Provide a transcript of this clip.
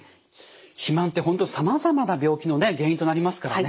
肥満って本当さまざまな病気のね原因となりますからね。